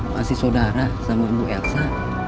masih saudara sama ibu elsa